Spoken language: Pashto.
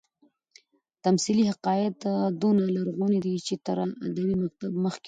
تمثيلي حکایت دونه لرغونى دئ، چي تر ادبي مکتب مخکي وو.